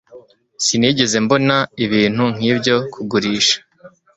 Sinigeze mbona ibintu nkibyo kugurisha